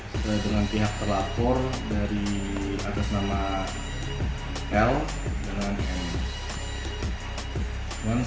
setelah dengan pihak pelapor dari atas nama l dengan n